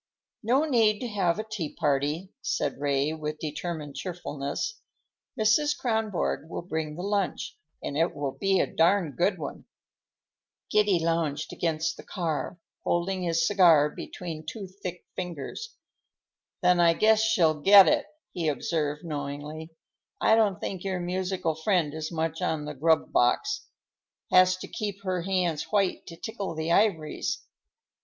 "No need to have a tea party," said Ray with determined cheerfulness. "Mrs. Kronborg will bring the lunch, and it will be a darned good one." Giddy lounged against the car, holding his cigar between two thick fingers. "Then I guess she'll get it," he observed knowingly. "I don't think your musical friend is much on the grub box. Has to keep her hands white to tickle the ivories."